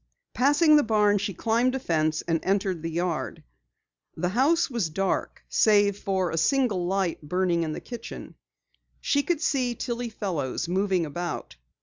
Passing the barn, she climbed a fence and entered the yard. The house was dark save for a single light burning in the kitchen. She could see Tillie Fellows moving about.